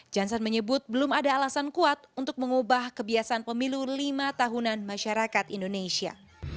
jansan menyebut belum ada alasan kuat untuk mengubah kebiasaan pemilu lima tahunan masyarakat indonesia